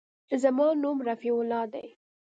زما نوم رفيع الله دى.